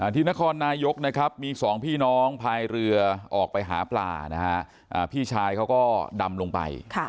ที่นครนายกนะครับมีสองพี่น้องพายเรือออกไปหาปลานะฮะพี่ชายเขาก็ดำลงไป